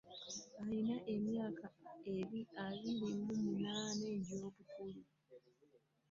Alina emyaka abiri mu munaana egy'obukulu.